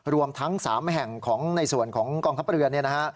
รวมทั้ง๓แห่งของในส่วนของกองทัพเรือเนี่ยนะฮะ